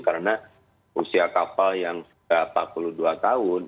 karena usia kapal yang empat puluh dua tahun